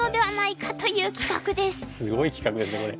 すごい企画ですねこれ。